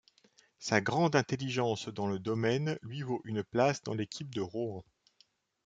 Sa grande intelligence dans le domaine lui vaut une place dans l'équipe de Rohan.